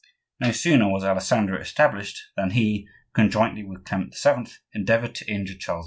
No sooner was Alessandro established than he, conjointly with Clement VII., endeavored to injure Charles V.